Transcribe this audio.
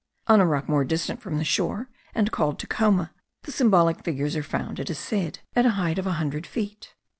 On a rock more distant from the shore, and called Tecoma, the symbolic figures are found, it is said, at the height of a hundred feet.